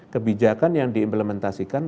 kebijakan yang diimplementasikan